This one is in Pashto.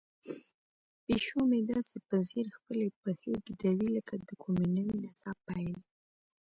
پیشو مې داسې په ځیر خپلې پښې ږدوي لکه د کومې نوې نڅا پیل.